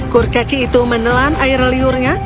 kurcaci itu menelan air liurnya